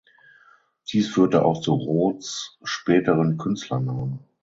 Dies führte auch zu Roths späteren Künstlernamen.